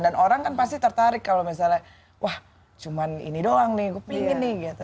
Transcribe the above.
dan orang pasti tertarik kalau misalnya wah cuma ini doang nih gue pengen nih gitu